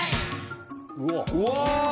うわ！